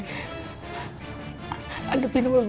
hadapin mbak beb